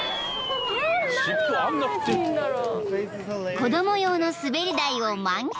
［子供用の滑り台を満喫］